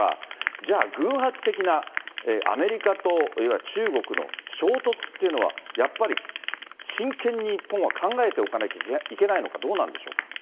じゃあ、偶発的なアメリカといわゆる中国の衝突っていうのは、やっぱり真剣に日本は考えておかなきゃいけないのか、どうなんでしょうか。